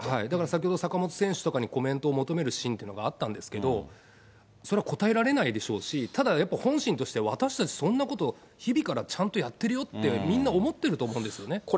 だから先ほど坂本選手とかにコメントを求めるシーンとかもあったんですけど、それは答えられないでしょうし、ただ、やっぱ本心として、私たちそんなこと日々からちゃんとやってるよって、みんな思ってると思うんですよね。